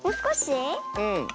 うん。